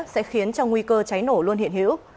sẽ khiến cho nguy cơ cháy nổ luôn hiện hữu